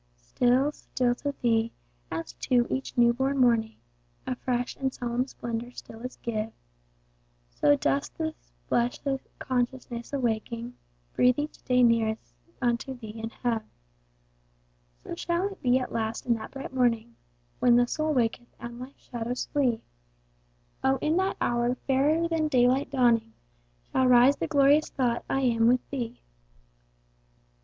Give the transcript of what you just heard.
Still, still to Thee, as to each new born morning, A fresh and solemn splendor still is giv'n, So does this blessed consciousness awaking, Breathe each day nearness unto Thee and heav'n. So shall it be at last in that bright morning, When the soul waketh, and life's shadows flee; O in that hour, fairer than daylight dawning, Shall rise the glorious thought I am with Thee.